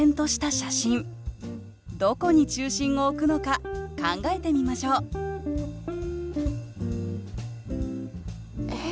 どこに中心を置くのか考えてみましょうええ